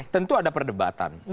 tentu ada perdebatan